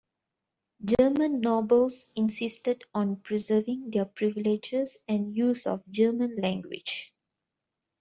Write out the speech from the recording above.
German nobles insisted on preserving their privileges and use of German language.